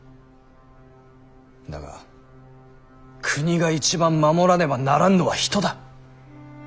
だが国が一番守らねばならぬのは人だ。